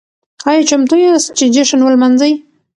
ايا چمتو ياست چې جشن ولمانځئ؟